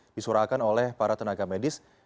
disurahkan oleh para tenaga medis